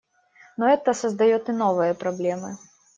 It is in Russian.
Но это создает и новые проблемы.